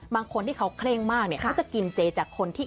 บางคนที่เขาเคร่งมากเนี่ยเขาจะกินเจจากคนที่